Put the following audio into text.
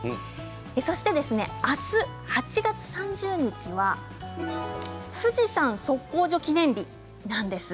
そして、明日８月３０日は富士山測候所記念日なんです。